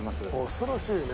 恐ろしいね。